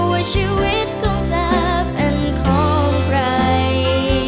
ว่าชีวิตของเธอเป็นของใคร